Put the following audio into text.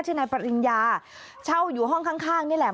นายปริญญาเช่าอยู่ห้องข้างนี่แหละ